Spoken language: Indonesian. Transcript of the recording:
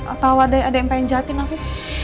atau ada yang pengen jahatin aku